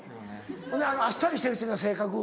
ほんであっさりしてるしな性格。